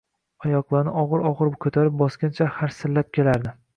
oyoqlarini, og’ir-og’ir ko’tarib bosgancha harsillab kelardi.